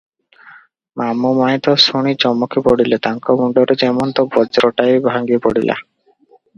ମାମୁ ମାଇଁ ତ ଶୁଣି ଚମକି ପଡ଼ିଲେ, ତାଙ୍କ ମୁଣ୍ଡରେ ଯେମନ୍ତ ବଜ୍ରଟାଏ ଭାଙ୍ଗି ପଡିଲା ।